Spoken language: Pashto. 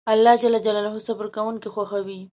الله جل جلاله صبر کونکي خوښوي